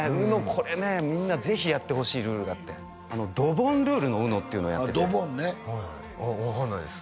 これねみんなぜひやってほしいルールがあってドボンルールのＵＮＯっていうのをやっててドボンね分かんないです